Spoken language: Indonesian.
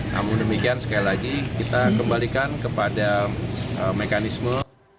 namun demikian sekali lagi kita kembalikan kepada mekanisme